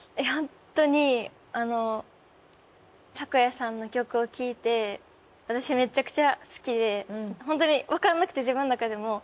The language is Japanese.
本当にあの咲耶さんの曲を聴いて私めちゃくちゃ好きで本当にわからなくて自分の中でも。